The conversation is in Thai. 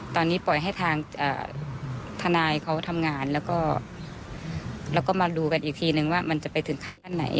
ตอนนี้ปล่อยให้ทางทนายเขาทำงานแล้วก็มาดูกันอีกทีนึงว่ามันจะไปถึงขั้นไหน